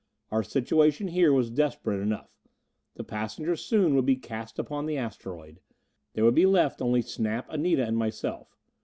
Our situation here was desperate enough. The passengers soon would be cast upon the asteroid: there would be left only Snap, Anita and myself.